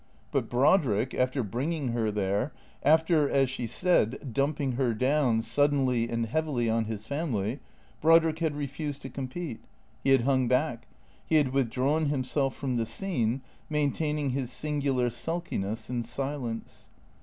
But Brodrick, after bringing her there; after, as she said, dumping her down, suddenly and heavily, on his family, Brodrick had refused to compete ; he had hung back ; he had withdrawn himself from the scene, maintaining his sin gular sulkiness and silence.